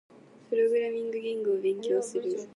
プログラミング言語を勉強する。